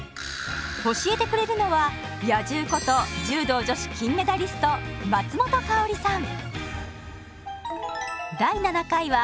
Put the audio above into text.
教えてくれるのは「野獣」こと柔道女子金メダリスト松本薫さん。